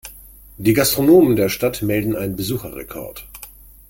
Die Gastronomen der Stadt melden einen Besucherrekord.